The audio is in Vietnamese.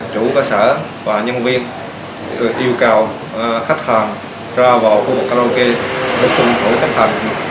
chủ cơ sở và nhân viên yêu cầu khách hàng ra vào khu vực karaoke để cùng tổ chấp hành